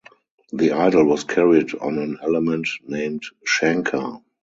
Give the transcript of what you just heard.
The idol was carried on an element named Shankar.